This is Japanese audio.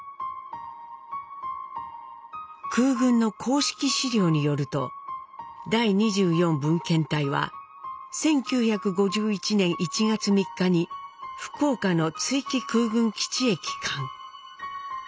空軍の公式資料によると第２４分遣隊は１９５１年１月３日に福岡の築城空軍基地へ帰還。